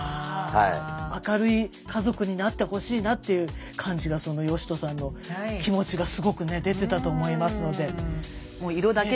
明るい家族になってほしいなっていう感じが嘉人さんの気持ちがすごくね出てたと思いますので。